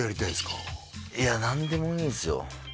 いや何でもいいんすよ